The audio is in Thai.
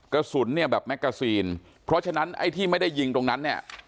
กระสุนเนี่ยแบบแมกกาซีนเพราะฉะนั้นไอ้ที่ไม่ได้ยิงตรงนั้นเนี่ย